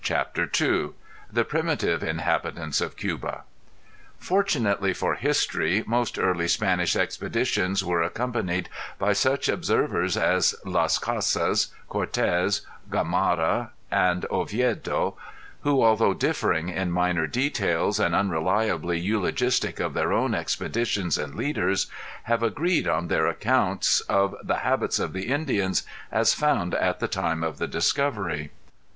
THE PRIMITIVE INHABITANTS OF CUBA Fortunately for history, most early Spanish expeditions were accompanied by such observers as Las Casas, Cort├®s, Gomara and Oviedo, who although differing in minor details and unreliably eulogistic of their own expeditions and leaders have agreed on their accounts of the habits of the Indians as found at the time of the discovery.